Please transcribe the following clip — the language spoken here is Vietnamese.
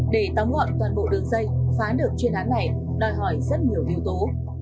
để tóm gọn toàn bộ đường dây phá được chuyên án này đòi hỏi rất nhiều yếu tố